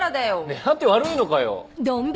狙って悪いのかよ？